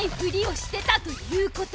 してたということ。